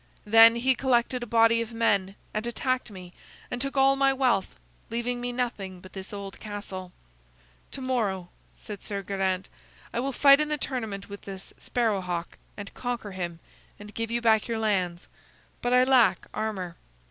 Then he collected a body of men and attacked me, and took all my wealth, leaving me nothing but this old castle." "To morrow," said Sir Geraint, "I will fight in the tournament with this Sparrow hawk, and conquer him, and give you back your lands. But I lack armor."